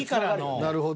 なるほど。